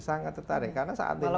sangat tertarik pak nessy sangat tertarik